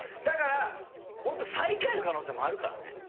だから本当最下位の可能性もあるからね。